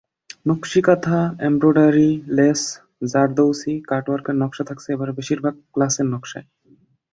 Nakshi Kantha, embroidery, lace, জারদৌসি, কাটওয়ার্কের নকশা থাকছে এবারে বেশির ভাগ ক্লাচের নকশায়।